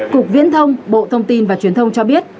cục viễn thông bộ thông tin và truyền thông cho biết